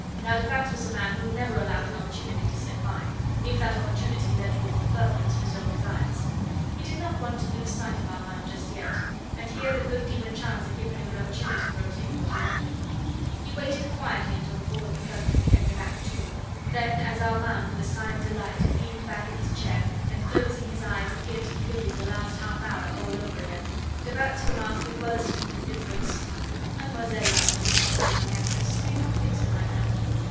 Now de Batz was a man who never allowed an opportunity to slip by, if that opportunity led towards the furtherance of his own desires. He did not want to lose sight of Armand just yet, and here the good demon Chance had given him an opportunity for obtaining what he wanted. He waited quietly until the fall of the curtain at the end of Act II.; then, as Armand, with a sigh of delight, leaned back in his chair, and closing his eyes appeared to be living the last half hour all over again, de Batz remarked with well assumed indifference: "Mlle. Lange is a promising young actress. Do you not think so, my friend?"